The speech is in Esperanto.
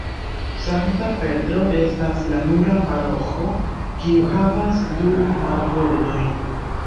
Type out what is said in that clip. Sankta Petro estas la nura paroĥo kiu havas du marbordojn.